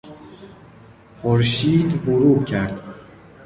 خورشید غروب کرد.